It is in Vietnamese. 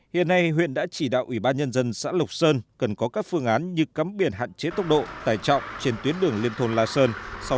hiện nay huyện đã chỉ đạo ủy ban nhân dân xã lộc sơn cần có các phương án như cắm biển hạn chế tốc độ tài trọng trên tuyến đường liên thôn la sơn